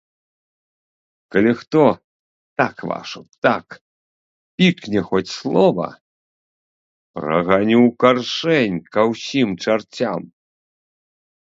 Калі хто, так вашу так, пікне хоць слова, праганю ў каршэнь ка ўсім чарцям.